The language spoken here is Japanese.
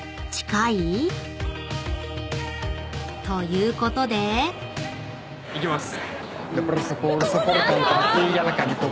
ということで］いきます。